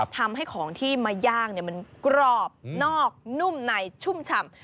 ทำให้ของที่มาย่างมันกรอบนอกนุ่มในชุ่มฉ่ำ